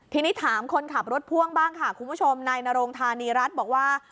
ทีนี้ถามคนขับรถพ่วงบ้างค่ะคุณผู้ชมนายนรงธานีรัฐบอกว่า